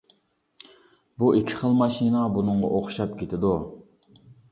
بۇ ئىككى خىل ماشىنا بۇنىڭغا ئوخشاپ كېتىدۇ.